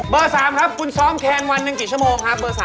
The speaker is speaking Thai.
๓ครับคุณซ้อมแคนวันหนึ่งกี่ชั่วโมงครับเบอร์๓